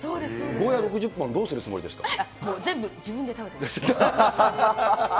ゴーヤ６０本、どうするつももう全部、自分で食べてます。